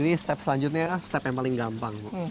ini step selanjutnya step yang paling gampang bu